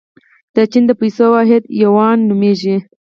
د چین د پیسو واحد یوان نومیږي.